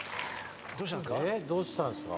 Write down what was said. どうしたんですか？